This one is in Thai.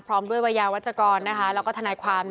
พร้อมด้วยวัยยาวัชกรแล้วก็ทนายความ